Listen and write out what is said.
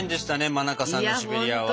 馬中さんのシベリアは。